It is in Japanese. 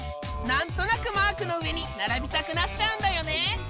何となくマークの上に並びたくなっちゃうんだよね。